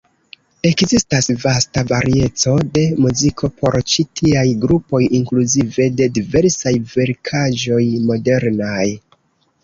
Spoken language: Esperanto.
Ekzistas vasta varieco de muziko por ĉi tiaj grupoj, inkluzive de diversaj verkaĵoj modernaj.